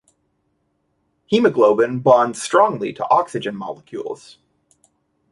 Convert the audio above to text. Hemoglobin bonds strongly to oxygen molecules.